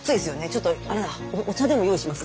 ちょっとあれだお茶でも用意します。